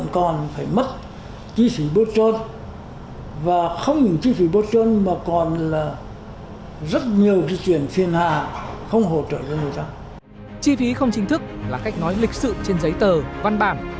chi phí không chính thức là cách nói lịch sự trên giấy tờ văn bản